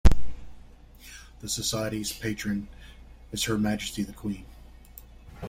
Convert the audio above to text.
The Society's patron is Her Majesty the Queen.